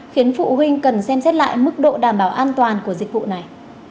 khiến phụ huynh cần xem xét lại mức độ đảm bảo an toàn của dịch vụ này